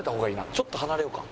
ちょっと離れようか。